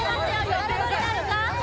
横取りなるか？